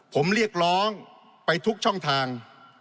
ผมเรียกร้องไปทุกช่องทาง